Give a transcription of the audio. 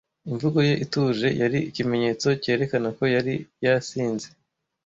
Imvugo ye ituje yari ikimenyetso cyerekana ko yari yasinze.